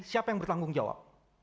siapa yang bertanggung jawab